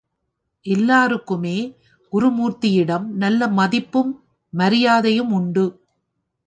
எல்லாருக்குமே குருமூர்த்தியிடம் நல்ல மதிப்பும், மரியாதையும் உண்டு.